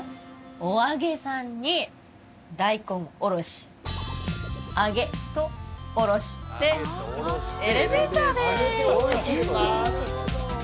お揚げさんに大根おろし「あげ」と「おろし」でエレベーターです！